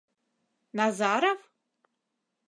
— Назаров?